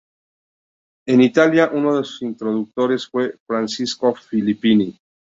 En Italia, uno de sus introductores fue Francesco Filippini.